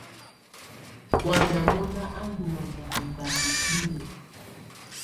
Wamɛ̀á mɔna á ndù manyà ɛŋganda binǝ.